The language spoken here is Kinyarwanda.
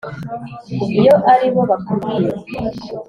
Iyo ali bo bakubwiye